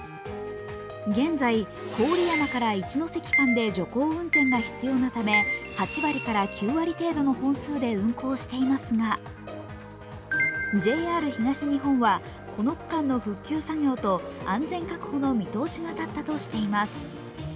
現在、郡山から一ノ関間で徐行運転が必要なため８割から９割程度の本数で運行していますが、ＪＲ東日本はこの区間の復旧作業と安全確保の見通しが立ったとしています。